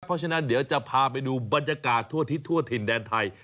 เพราะฉะนั้นเดี๋ยวจะพาไปดูบรรยากาศทั่วทิศทั่วถิ่นแดนไทย